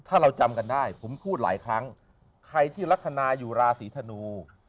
ถ้าเราจำกันได้ผมพูดหลายครั้งใครที่ลักษณะอยู่ราศีธนู